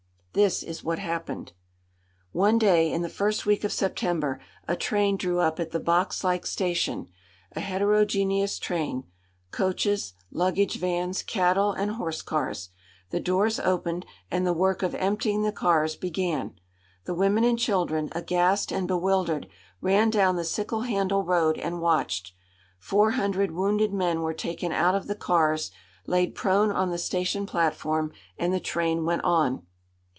This is what happened: One day in the first week of September a train drew up at the box like station, a heterogeneous train coaches, luggage vans, cattle and horse cars. The doors opened, and the work of emptying the cars began. The women and children, aghast and bewildered, ran down the sickle handle road and watched. Four hundred wounded men were taken out of the cars, laid prone on the station platform, and the train went on.